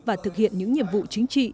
và thực hiện những nhiệm vụ chính trị